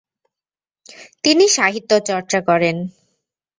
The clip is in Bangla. তিনি সাহিত্য চর্চা করেন।